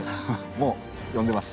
もう呼んでます。